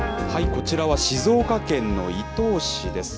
こちらは静岡県の伊東市です。